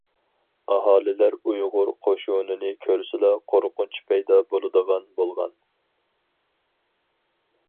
ئاھالىلەر ئۇيغۇر قوشۇنىنى كۆرسىلا قورقۇنچ پەيدا بولىدىغان بولغان.